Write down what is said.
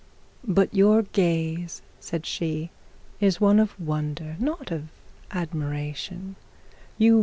'But your gaze,' said she, 'is one of wonder, and not of admiration.